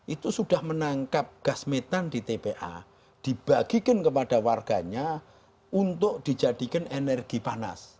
itu sudah menangkap gas metan di tpa dibagikan kepada warganya untuk dijadikan energi panas